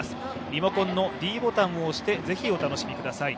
リモコンのｄボタンを押してぜひお楽しみください。